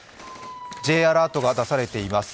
Ｊアラートが出されています。